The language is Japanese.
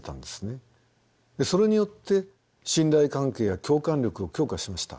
それによって信頼関係や共感力を強化しました。